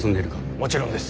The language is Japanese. もちろんです。